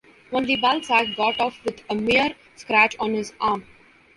Only Balzac got off with a mere scratch on his arm.